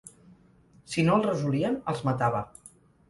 Si no el resolien, els matava.